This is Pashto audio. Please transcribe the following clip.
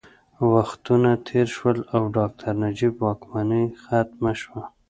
وختونه تېر شول او ډاکټر نجیب واکمني ختمه شوه